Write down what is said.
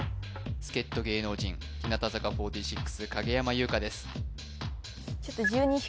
助っ人芸能人日向坂４６影山優佳です